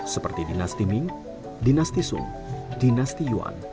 seperti dinasti ming dinasti sum dinasti yuan